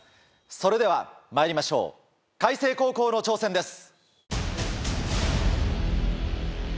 それではまいりましょう開成高校の挑戦です。